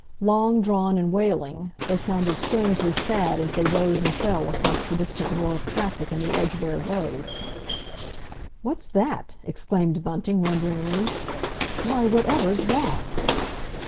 Long drawn and wailing, they sounded strangely sad as they rose and fell across the distant roar of traffic in the Edgware Road. "What's that?" exclaimed Bunting wonderingly. "Why, whatever's that?"